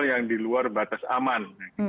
yang di luar batas aman